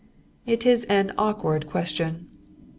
It is an awkward question.